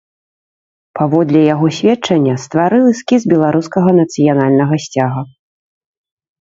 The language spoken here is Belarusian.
Паводле яго сведчання, стварыў эскіз беларускага нацыянальнага сцяга.